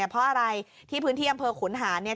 เพราะอะไรที่พื้นที่อำเภอขุนหานเนี่ย